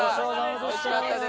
美味しかったです。